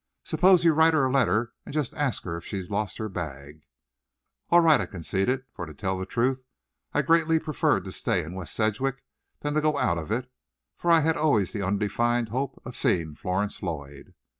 "Suppose you write her a letter and just ask her if she has lost her bag." "All right," I conceded, for truth to tell, I greatly preferred to stay in West Sedgwick than to go out of it, for I had always the undefined hope of seeing Florence Lloyd.